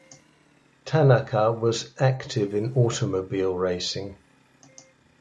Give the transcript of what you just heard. Tanaka was active in automobile racing.